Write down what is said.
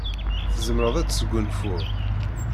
Tzemreḍ ad tesgunfuḍ.